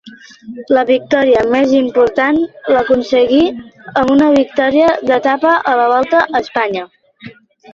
La victòria més important l'aconseguí amb una victòria d'etapa a la Volta a Espanya.